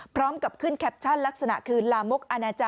พร้อมกับขึ้นแคปชั่นลักษณะคือลามกอนาจาร